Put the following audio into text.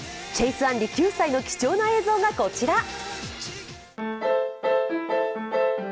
チェイス・アンリ９歳の貴重な映像がこちら。